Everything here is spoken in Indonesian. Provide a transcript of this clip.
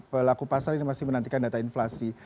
pelaku pasar ini masih menantikan data inflasi